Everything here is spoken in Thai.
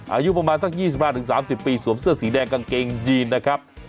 อายุประมาณสัก๒๕๓๐ปีสวมเสื้อสีแดงกางเกงยีนนะครับ